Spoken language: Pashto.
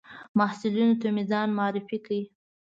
محصلینو ته مې ځان معرفي کړ.